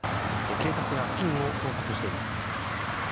警察が付近を捜索しています。